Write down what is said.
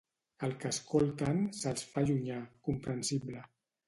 El que escolten se'ls fa llunyà, comprensible.